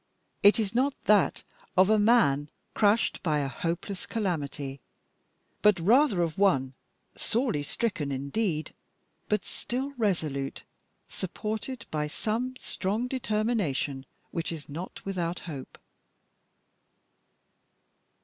It is not that of a man crushed by a hopeless calamity, but rather of one sorely stricken indeed, but still resolute, supported by some strong determination which is not without hope.